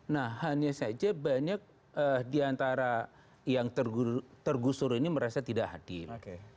nah hanya saja banyak diantara yang tergusur ini merasa tidak hadir